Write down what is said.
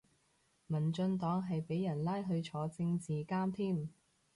民進黨係俾人拉去坐政治監添